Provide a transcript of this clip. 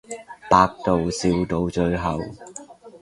百度笑到最後